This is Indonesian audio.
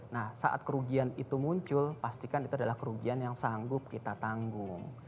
nah saat kerugian itu muncul pastikan itu adalah kerugian yang sanggup kita tanggung